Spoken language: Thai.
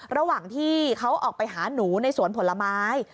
ระหว่างที่เขาออกไปหาหนูในสวนผลไม้